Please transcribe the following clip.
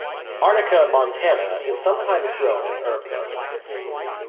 "Arnica montana" is sometimes grown in herb gardens.